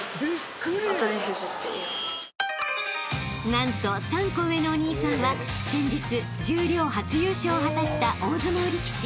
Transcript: ［何と３個上のお兄さんは先日十両初優勝を果たした大相撲力士